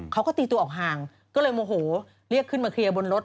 เขาก็ตีตัวออกห่างก็เลยโมโหเรียกขึ้นมาเคลียร์บนรถ